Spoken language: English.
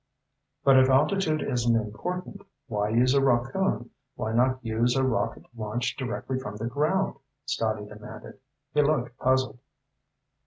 "But if altitude isn't important, why use a rockoon? Why not use a rocket launched directly from the ground?" Scotty demanded. He looked puzzled.